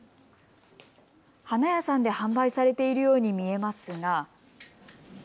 花屋さんで販売されているように見えますが。